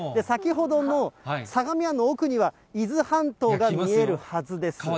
先ほどの相模湾の奥には、伊豆半島が見えるはずです。